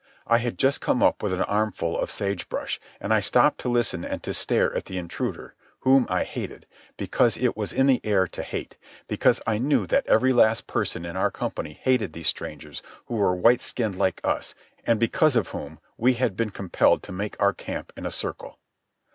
I had just come up with an armful of sage brush, and I stopped to listen and to stare at the intruder, whom I hated, because it was in the air to hate, because I knew that every last person in our company hated these strangers who were white skinned like us and because of whom we had been compelled to make our camp in a circle.